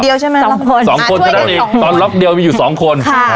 ทำคนเดียวใช่ไหมสองคนสองคนอ่าช่วยกับสองคนตอนล็อกเดียวมีอยู่สองคนค่ะ